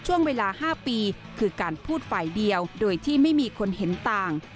ช่วงเวลา๕ปีคือการพูดฝ่ายเดียวโดยที่ไม่มีคนเห็นต่าง